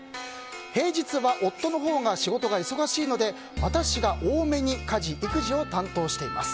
平日は夫のほうが仕事が忙しいので私が多めに家事・育児を担当しています。